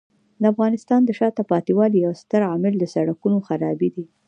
د افغانستان د شاته پاتې والي یو ستر عامل د سړکونو خرابي دی.